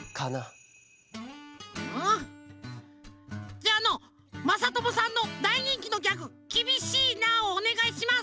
じゃああのまさともさんのだいにんきのギャグ「きびしいな」をおねがいします。